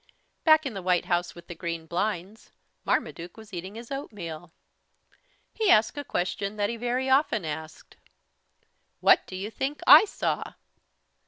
Back in the White House with the Green Blinds, Marmaduke was eating his oatmeal. He asked a question that he very often asked: "What do you think I saw?"